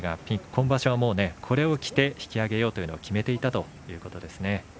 今場所はこれを着て引き揚げようと決めていたということです。